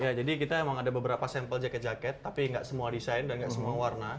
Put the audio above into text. ya jadi kita emang ada beberapa sampel jaket jaket tapi nggak semua desain dan gak semua warna